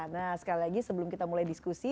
nah sekali lagi sebelum kita mulai diskusi